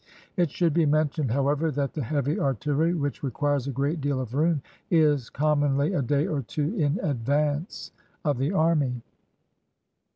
It should be mentioned, however, that the hea\y artillen. . which requires a great deal of room, is commonly a day or two in advance of the army.